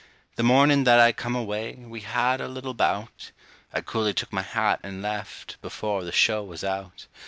The mornin' that I come away, we had a little bout; I coolly took my hat and left, before the show was out.